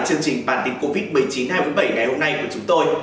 chương trình bản tin covid một mươi chín hai trăm bốn mươi bảy ngày hôm nay của chúng tôi